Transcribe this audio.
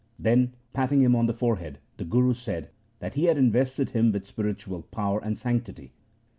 Then, patting him on the forehead, the Guru said that he had invested him with spiritual power and sanctity.